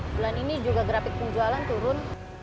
bulan ini juga grafik penjualan turun